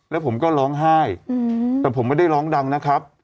แล้วผมก็ร้องไห้แต่ผมไม่ได้ร้องดังนะครับ